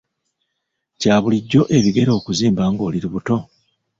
Kya bulijjo ebigere okuzimba ng'oli lubuto?